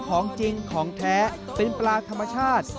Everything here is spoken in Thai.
ของจริงของแท้เป็นปลาธรรมชาติ